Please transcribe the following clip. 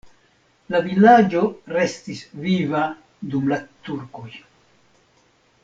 La vilaĝo restis viva dum la turkoj.